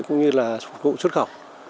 cũng như là phục vụ xuất khẩu